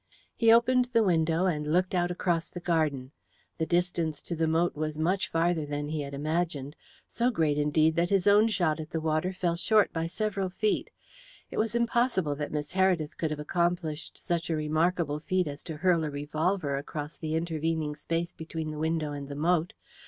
He opened the window, and looked out across the garden. The distance to the moat was much farther than he had imagined; so great, indeed, that his own shot at the water fell short by several feet. It was impossible that Miss Heredith could have accomplished such a remarkable feat as to hurl a revolver across the intervening space between the window and the moat.